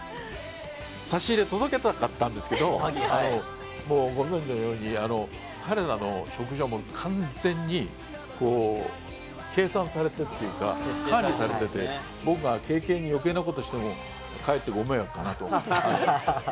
差し入れ届けたかったんですけど、ご存じのように彼らの食は、完全に計算されてというか、管理されていて、僕が余計なことを言ってもかえってご迷惑かなと。